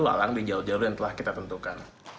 itu lalang di jauh jauh yang telah kita tentukan